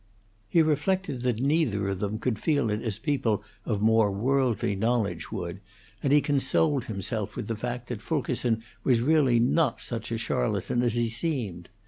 He reflected that neither of them could feel it as people of more worldly knowledge would, and he consoled himself with the fact that Fulkerson was really not such a charlatan as he seemed.